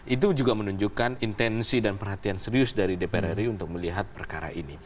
itu juga menunjukkan intensi dan perhatian serius dari dpr ri untuk melihat perkara ini